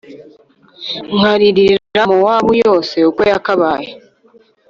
nkaririra Mowabu yose uko yakabaye